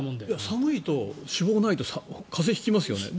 寒いと脂肪がないと風邪を引きますよね。